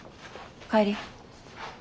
帰り。